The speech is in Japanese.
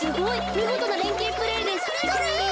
みごとなれんけいプレーです。